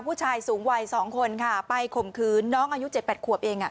ผู้ชายสูงวัยสองคนค่ะไปข่มคืนน้องอายุเจ็ดแปดขวบเองอ่ะ